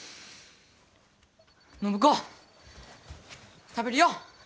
暢子食べるよ！